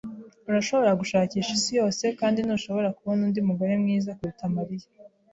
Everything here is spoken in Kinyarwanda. Urashobora gushakisha isi yose kandi ntushobora kubona undi mugore mwiza kuruta Mariya.